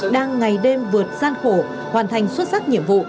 đang ngày đêm vượt gian khổ hoàn thành xuất sắc nhiệm vụ